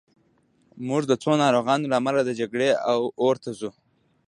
موږ د څو ناروغانو له امله د جګړې اور ته ځو